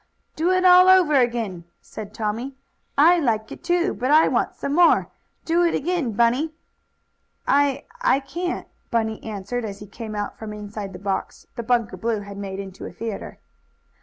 "Do it all over again!" said Tommie. "I liked it too, but I want some more. Do it again, Bunny!" "I I can't," Bunny answered, as he came out from inside the box that Bunker Blue had made into a theatre.